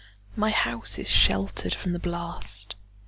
My house is sheltered from the blast.